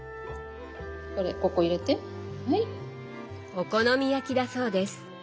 お好み焼きだそうです。